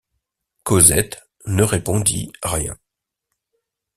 Cosette ne répondit rien.